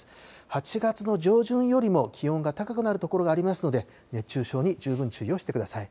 ８月の上旬よりも気温が高くなる所がありますので、熱中症に十分注意をしてください。